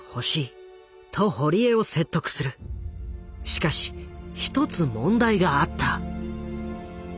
しかし一つ問題があった。